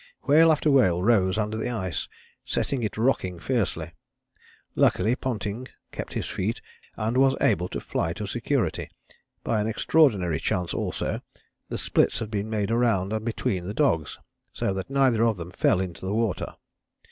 Whale after whale rose under the ice, setting it rocking fiercely; luckily Ponting kept his feet and was able to fly to security. By an extraordinary chance also, the splits had been made around and between the dogs, so that neither of them fell into the water.